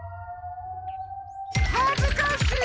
はずかしい！